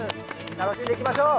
楽しんでいきましょう。